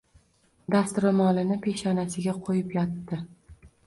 Dastro‘molini peshonasiga qo‘yib yotdi.